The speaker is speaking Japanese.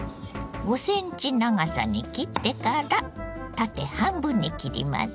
５センチ長さに切ってから縦半分に切ります。